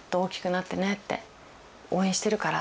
「応援してるから」